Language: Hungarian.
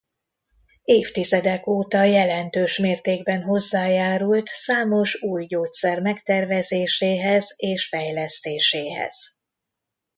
Évtizedek óta jelentős mértékben hozzájárult számos új gyógyszer megtervezéséhez és fejlesztéséhez.